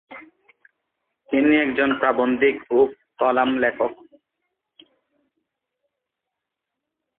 তিনি একজন প্রাবন্ধিক ও কলাম লেখক।